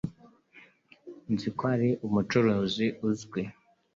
Nzi ko ari umucuranzi uzwi.